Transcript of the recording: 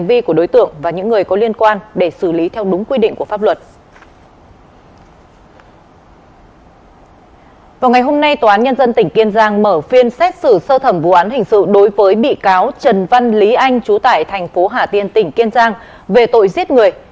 vào ngày hôm nay tòa án nhân dân tỉnh kiên giang mở phiên xét xử sơ thẩm vụ án hình sự đối với bị cáo trần văn lý anh trú tại thành phố hà tiên tỉnh kiên giang về tội giết người